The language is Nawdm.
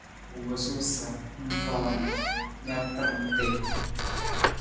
U wosu sa ng roon na tarung tii.